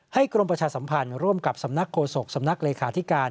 กรมประชาสัมพันธ์ร่วมกับสำนักโฆษกสำนักเลขาธิการ